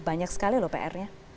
banyak sekali loh pr nya